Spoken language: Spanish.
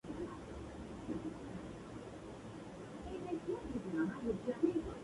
Jugando de lateral izquierdo fue campeón con Independiente, tanto de torneos nacionales como internacionales.